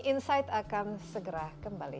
insight akan segera kembali